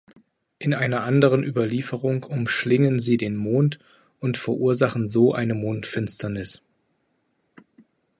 In einer anderen Überlieferung umschlingen sie den Mond und verursachen so eine Mondfinsternis.